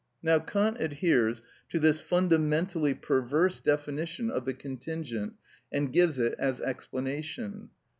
(5) Now Kant adheres to this fundamentally perverse definition of the contingent and gives it as explanation.